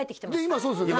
今そうですよね